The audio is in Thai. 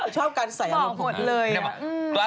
ชอบการใส่ออกหมดเลย